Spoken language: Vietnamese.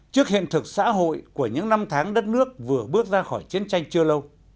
trước hiện thực xã hội của những năm tháng đất nước vừa bước ra khỏi chiến tranh chưa lâu